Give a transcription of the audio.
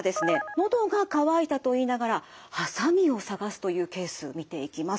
のどが渇いたと言いながらハサミをさがすというケース見ていきます。